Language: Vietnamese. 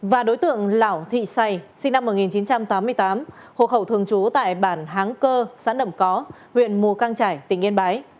và đối tượng lão thị sầy sinh năm một nghìn chín trăm tám mươi tám hộ khẩu thường trú tại bản háng cơ xã nẩm có huyện mù căng trải tỉnh yên bái